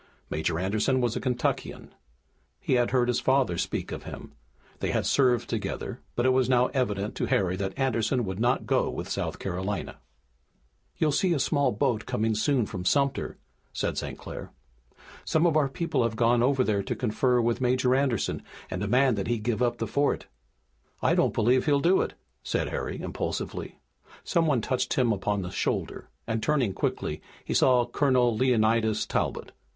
Major Anderson was a Kentuckian. He had heard his father speak of him; they had served together, but it was now evident to Harry that Anderson would not go with South Carolina. "You'll see a small boat coming soon from Sumter," said St. Clair. "Some of our people have gone over there to confer with Major Anderson and demand that he give up the fort." "I don't believe he'll do it," said Harry impulsively. Some one touched him upon the shoulder, and turning quickly he saw Colonel Leonidas Talbot.